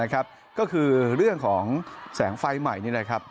ก็คือเรื่องของแสงไฟใหม่นี่